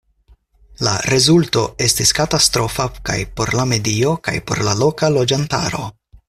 La rezulto estis katastrofa kaj por la medio kaj por la loka loĝantaro.